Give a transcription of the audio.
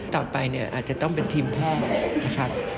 ต่อไปอาจจะต้องเป็นทีม๘๐ไม่เกิน